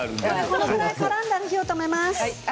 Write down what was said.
このぐらいからんだら火を止めます。